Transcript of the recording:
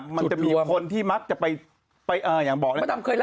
มันจะมีคนที่มักจะไปอย่างบอกเนี่ย